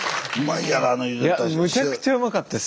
いやむちゃくちゃうまかったです。